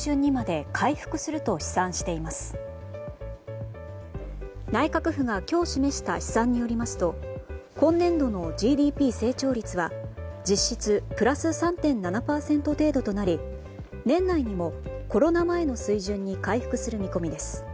内閣府が今日示した試算によりますと今年度のＧＤＰ成長率は実質プラス３．７％程度となり年内にもコロナ前の水準に回復する見込みです。